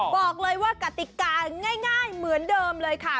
บอกเลยว่ากติกาง่ายเหมือนเดิมเลยค่ะ